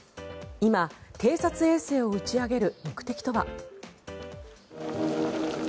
今、偵察衛星を打ち上げる目的とは。